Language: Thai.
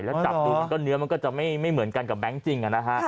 และดับตัวเนื้อมันก็จะไม่เหมือนกันกับแบงค์จริง